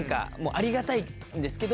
ありがたいんですけど。